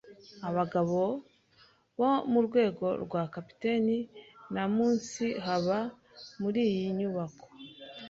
Abagabo bo murwego rwa capitaine na munsi baba muriyi nyubako.